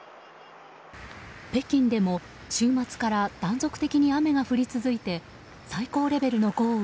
北京でも週末から断続的に雨が降り続いて最高レベルの豪雨